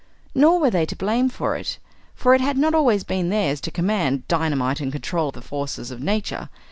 Nor were they to blame for it. For it had not always been theirs to command dynamite and control the forces of nature.